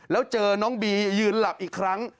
แล้วเจอน้องบียืนหลับอีกครั้ง